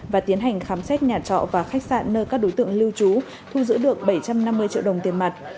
và tiến hành khám xét nhà trọ và khách sạn nơi các đối tượng lưu trú thu giữ được bảy trăm năm mươi triệu đồng tiền mặt